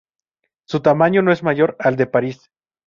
Su tamaño no es mayor al de París.